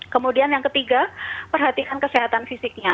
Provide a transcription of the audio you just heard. kemudian yang ketiga perhatikan kesehatan fisiknya